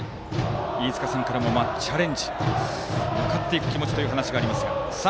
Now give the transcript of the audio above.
飯塚さんからもチャレンジぶつかっていくという気持ちがありました。